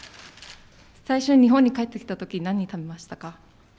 最初日本に帰ってきたときに、何食べましたか。